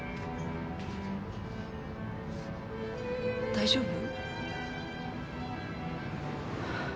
大丈夫？